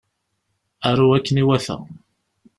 Aru akken iwata.